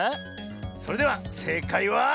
それではせいかいは。